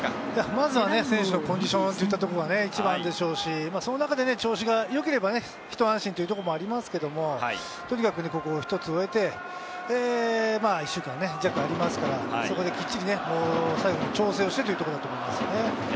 まずは選手のコンディションが一番でしょうし、調子がよければひと安心というところもありますが、とにかく一つ終えて、１週間弱ありますから、きっちり最後の調整をしてということだと思います。